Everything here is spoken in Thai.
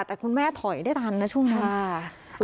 แต่คุณแม่ถอยได้ทันนะช่วงนั้น